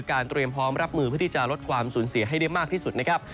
เตรียมพร้อมรับมือเพื่อที่จะลดความสูญเสียให้ได้มากที่สุดนะครับ